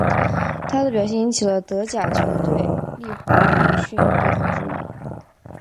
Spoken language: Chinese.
他的表现引起了德甲球队利华古逊对他的注意。